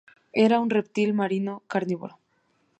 Era un reptil marino carnívoro.